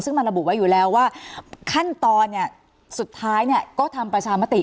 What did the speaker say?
ซึ่งมันระบุไว้อยู่แล้วว่าขั้นตอนเนี่ยสุดท้ายก็ทำประชามติ